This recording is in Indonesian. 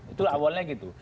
itulah awalnya gitu